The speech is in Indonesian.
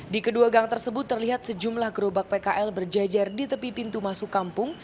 di kedua gang tersebut terlihat sejumlah gerobak pkl berjajar di tepi pintu masuk kampung